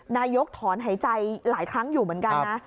นายกถอนหายใจหลายครั้งอยู่เหมือนกันนะ